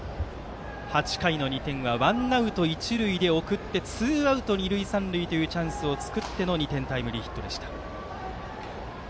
８回の２点はワンアウト、一塁で送ってツーアウト、二塁三塁というチャンスを作っての２点タイムリーヒットでした。